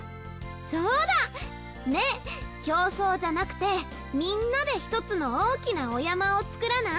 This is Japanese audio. そうだ！ねぇ競争じゃなくてみんなでひとつの大きなお山を作らない？